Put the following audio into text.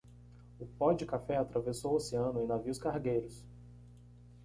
O pó de café atravessou o oceano em navios cargueiros